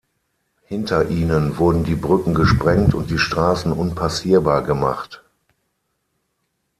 Hinter ihnen wurden die Brücken gesprengt und die Straßen unpassierbar gemacht.